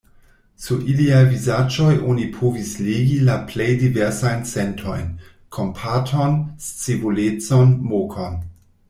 Sur iliaj vizaĝoj oni povis legi la plej diversajn sentojn: kompaton, scivolecon, mokon.